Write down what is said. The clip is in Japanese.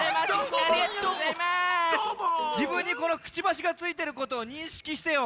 じぶんにこのくちばしがついてることをにんしきしてよ！